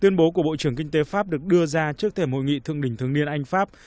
tuyên bố của bộ trưởng kinh tế pháp được đưa ra trước thẻ mội nghị thượng đỉnh thương niên anh pháp